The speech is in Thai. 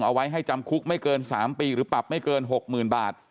เอาไว้ให้จำคุกไม่เกิน๓ปีหรือปรับไม่เกิน๖๐๐๐บาท